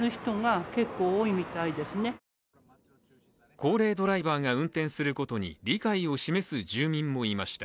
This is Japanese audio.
高齢ドライバーが運転することに理解を示す住民もいました。